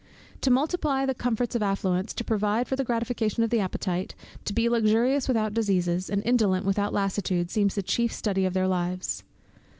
To multiply the comforts of affluence, to provide for the gratification of appetite, to be luxurious without diseases, and indolent without lassitude, seems the chief study of their lives.